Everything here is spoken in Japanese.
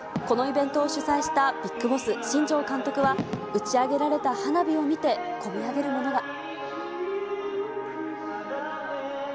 このイベントを主催したビッグボス、新庄監督は、打ち上げられた花火を見て、込み上げるものが。